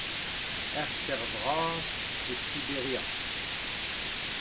Ur stêr vras e Siberia.